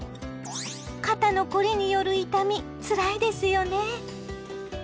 肩の凝りによる痛みつらいですよね。